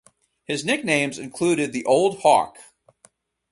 His nicknames included the "Old Hawk".